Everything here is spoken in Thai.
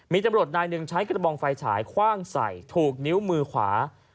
มีตำรวจนายหนึ่งใช้กระบองไฟฉายคว่างใส่ถูกนิ้วมือขวา